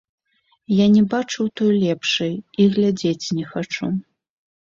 Я не бачыў той лепшай і глядзець не хачу.